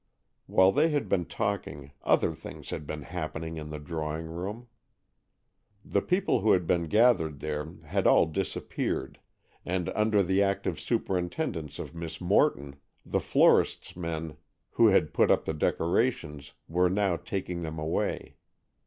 While they had been talking, other things had been happening in the drawing room. The people who had been gathered there had all disappeared, and, under the active superintendence of Miss Morton, the florist's men who had put up the decorations were now taking them away.